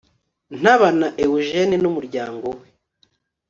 ntabana eugene n umuryango we